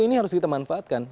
ini harus kita manfaatkan